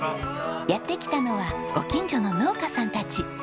やって来たのはご近所の農家さんたち。